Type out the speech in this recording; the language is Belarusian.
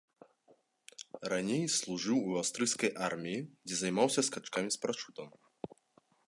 Раней служыў у аўстрыйскай арміі, дзе займаўся скачкамі з парашутам.